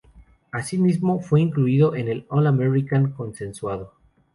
Asimismo, fue incluido en el All-American consensuado.